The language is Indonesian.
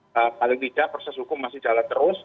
paling tidak proses hukum masih jalan terus